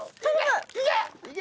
いけ！